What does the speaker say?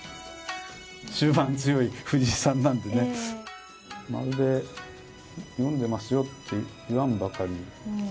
終盤に強い藤井さんなんでね、まるで読んでますよって言わんばかり。